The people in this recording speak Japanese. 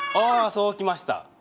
あそうきました。